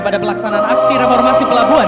pada pelaksanaan aksi reformasi pelabuhan